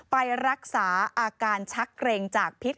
ไปรักษาอาการชักเกร็งจากพิษ